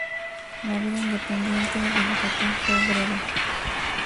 La vida independiente de Yucatán fue breve.